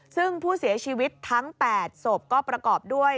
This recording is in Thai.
ซึ่งผู้เสียชีวิตทั้ง๘ศพก็ประกอบด้วย